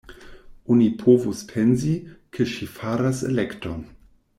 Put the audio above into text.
Oni povus pensi, ke ŝi faras elekton.